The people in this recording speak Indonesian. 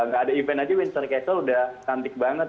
nggak ada event aja winter castle udah cantik banget